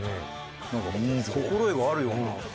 なんか心得があるような。